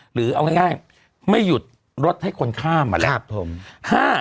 หรือเอาง่ายไม่หยุดรถให้คนข้ามอะแหละ